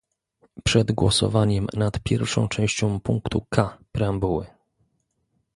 Przed głosowaniem nad pierwszą częścią punktu K preambuły